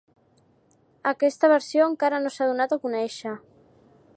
Aquesta versió encara no s'ha donat a conèixer.